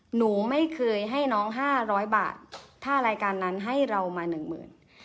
หนูไม่เคยให้น้อง๕๐๐บาทถ้ารายการนั้นให้เรามา๑๐๐๐๐บาท